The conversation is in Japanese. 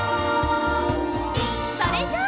それじゃあ。